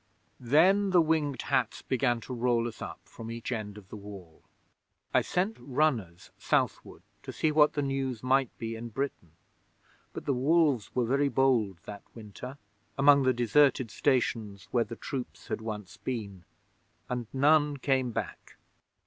'Then the Winged Hats began to roll us up from each end of the Wall. I sent runners Southward to see what the news might be in Britain, but the wolves were very bold that winter, among the deserted stations where the troops had once been, and none came back.